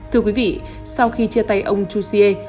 thưa quý vị sau khi chia tay ông chu xie